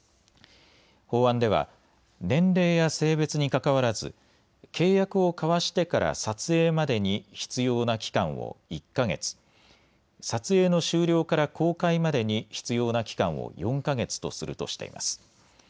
法案では年齢や性別にかかわらず契約を交わしてから撮影までに必要な期間を１か月、撮影の終了から公開までに必要な期間を４か月とするとしています。